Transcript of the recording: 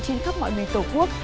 trên khắp mọi nền tổ quốc